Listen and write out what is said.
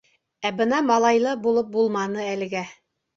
Ә бына малайлы булып булманы әлегә.